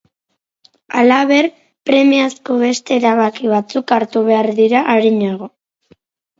Halaber, premiazko beste erabaki batzuk hartu behar dira arinago.